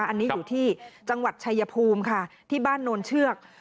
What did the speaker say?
อันนี้อยู่ที่จังหวัดชายภูมิค่ะที่บ้านโนนเชือก